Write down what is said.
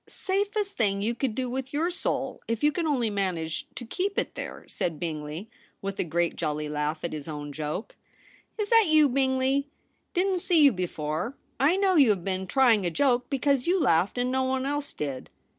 * Safest thing you could do with your soul, if you can only manage to keep it there,' said Bingley, with a great jolly laugh at his own joke. * Is that you, Bingley ? Didn't see you before. I know you have been trying a joke, because you laughed and no one else did.'